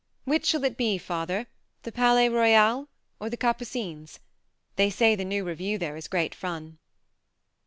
Which shall it be, father the Palais Royal or the Capucines? They say the new revue there is great fun."